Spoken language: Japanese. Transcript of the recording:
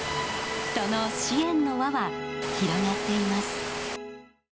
その支援の輪は広がっています。